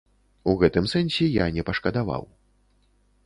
У гэтым сэнсе я не пашкадаваў.